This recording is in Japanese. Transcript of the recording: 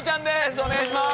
お願いします。